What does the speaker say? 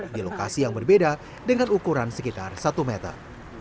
di lokasi yang berbeda dengan ukuran sekitar satu meter